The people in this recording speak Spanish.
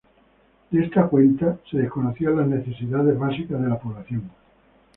De esta cuenta, se desconocían las necesidades básicas de la población.